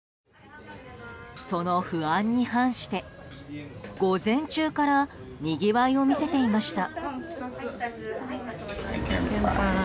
その不安に反して午前中からにぎわいを見せていました。